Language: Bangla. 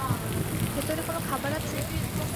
ভেতরে কোনো খাবার আছে?